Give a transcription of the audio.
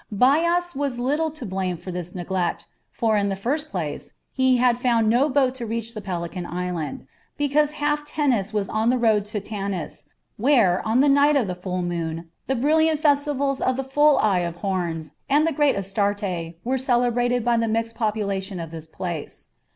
Bias was little to blame for this neglect, for, in the first place, he had found no boat to reach the Pelican Island, because half Tennis was on the road to Tanis, where, on the night of the full moon, the brilliant festivals of the full eye of Horns and the great Astarte were celebrated by the mixed population of this place.